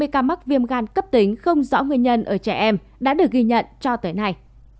hai mươi ca mắc viêm gan cấp tính không rõ nguyên nhân ở trẻ em đã được ghi nhận cho tới nay